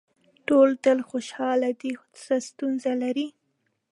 ټول تل خوشاله دي څه ستونزه لري.